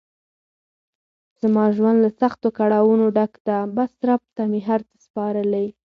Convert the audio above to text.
زما ژوند له سختو کړاونو ډګ ده بس رب ته مې هر څه سپارلی.